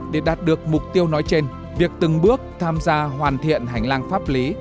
để đạt được mục tiêu nói trên việc từng bước tham gia hoàn thiện hành lang pháp lý